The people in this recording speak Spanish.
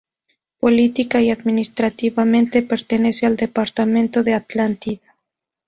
Política y administrativamente pertenece al departamento de Atlántida.